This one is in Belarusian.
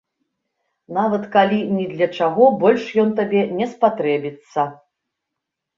Нават калі ні для чаго больш ён табе не спатрэбіцца.